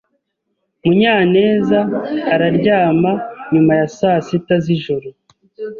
Munyaneza araryama nyuma ya saa sita z'ijoro.